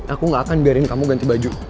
aku gak akan biarin kamu ganti baju